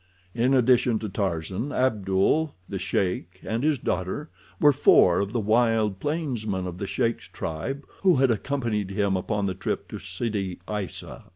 In addition to Tarzan, Abdul, the sheik, and his daughter were four of the wild plainsmen of the sheik's tribe who had accompanied him upon the trip to Sidi Aissa.